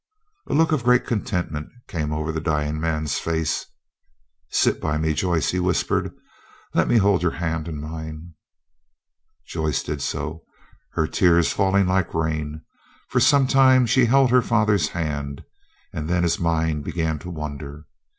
A look of great contentment came over the dying man's face. "Sit by me, Joyce," he whispered. "Let me hold your hand in mine." Joyce did so, her tears falling like rain. For some time she held her father's hand, and then his mind began to wander.